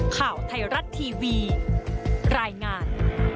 ข่าวไทยรัฐทีวีรายงาน